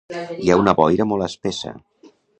Hi ha una boira molt espessa.